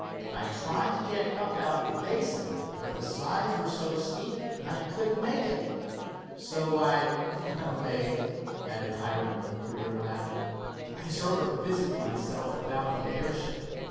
I tried to get up out of the basin, but the sides were so steep I couldn't make it. So I well, Dave," added Hiram with a queer laugh, "I sort of busied myself about the airship.